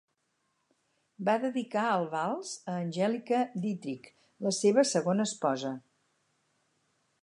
Va dedicar el vals a Angelika Dittrich, la seva segona esposa.